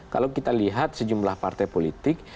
kalau kita lihat sejumlah partai politik